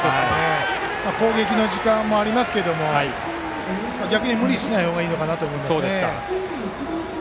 攻撃の時間もありますが逆に無理しない方がいいかなと思います。